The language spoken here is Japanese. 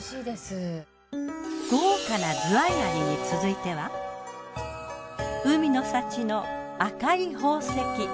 豪華なズワイガニに続いては海の幸の赤い宝石。